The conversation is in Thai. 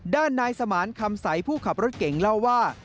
ด้านนายสมานคำใสผู้ขับรถเก่งเล่าว่า